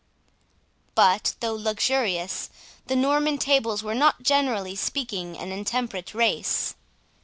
But, though luxurious, the Norman nobles were not generally speaking an intemperate race.